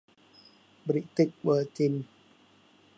บริติชเวอร์จินส์